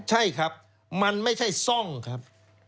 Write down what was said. ใช่ครับมันไม่ใช่ซ่องครับ